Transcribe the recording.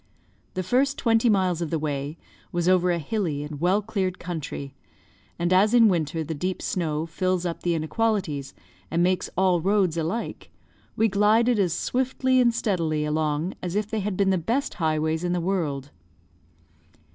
The first twenty miles of the way was over a hilly and well cleared country; and as in winter the deep snow fills up the inequalities, and makes all roads alike, we glided as swiftly and steadily along as if they had been the best highways in the world.